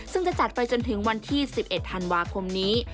ซึ่งจะจัดไปจนถึงวันที่๑๑ธันวาคมนี้